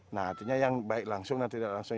nah artinya yang baik langsung dan tidak langsung